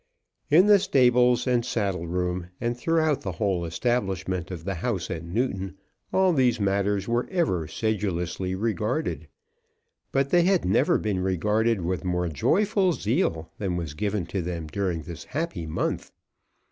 In the stables and saddle room, and throughout the whole establishment of the house at Newton, all these matters were ever sedulously regarded; but they had never been regarded with more joyful zeal than was given to them during this happy month.